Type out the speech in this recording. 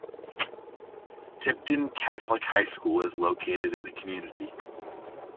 Tipton Catholic High School is located in the community.